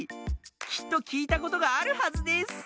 きっときいたことがあるはずです。